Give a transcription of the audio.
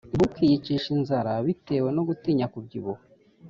Ntukiyicishe inzara bitewe no gutinya kubyibuha